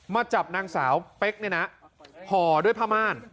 มาจับนางสาวเป๊กเนี่ยนะห่อด้วยผ้าม่าน